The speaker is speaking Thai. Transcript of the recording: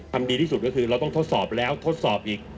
ทำดีที่สุดก็คือเราต้องทดสอบแล้วทดสอบอีก